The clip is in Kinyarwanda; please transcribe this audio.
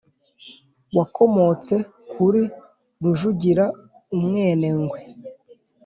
Wakomotse kuri Rujugira umwenengwe